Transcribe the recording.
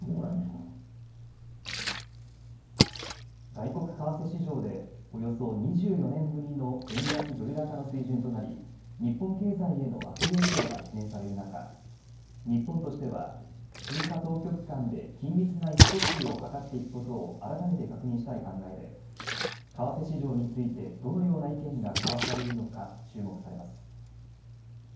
外国為替市場でおよそ２４年ぶりの円安ドル高の水準となり日本経済への悪影響が懸念される中、日本としては通貨当局間で緊密な意思疎通を図っていくことを改めて確認したい考えで為替市場についてどのような意見が交わされるのか注目されます。